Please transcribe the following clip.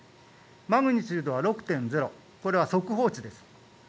マグニチュードは６．０これは速報値です。